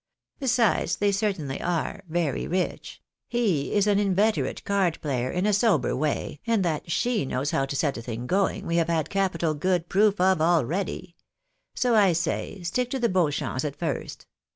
Besides, they certainly are very rich ; lie is an inveterate card player, in a sober way, and that she knows how to set a thing going, we have had capital good proof already. So I say, stick to the Beauchamps at first.